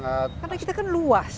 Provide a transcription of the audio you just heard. karena kita kan luas